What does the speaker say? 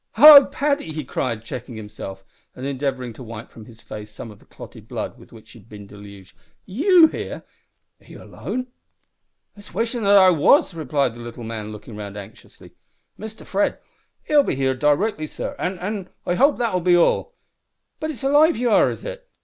"Hallo, Paddy!" he cried, checking himself, and endeavouring to wipe from his face some of the clotted blood with which he had been deluged. "You here? Are you alone?" "It's wishin' that I was," replied the little man, looking round anxiously. "Mister Fred 'll be here d'rectly, sor an' an' I hope that'll be all. But it's alive ye are, is it?